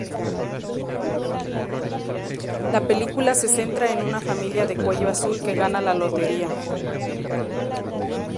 La película se centra en una familia de cuello azul que gana la lotería.